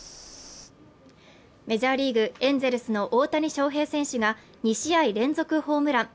メジャーリーグ、エンゼルスの大谷翔平選手が２試合連続ホームラン。